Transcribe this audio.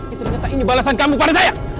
ini ternyata balasan kamu pada saya